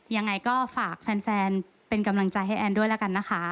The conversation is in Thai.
ยังไงก็ฝากแฟนเป็นกำลังใจให้แอนด้วยแล้วกันนะคะ